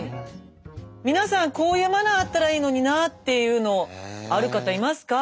皆さんこういうマナーあったらいいのになっていうのある方いますか？